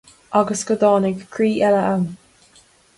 Agus go dtáinig croí eile ann.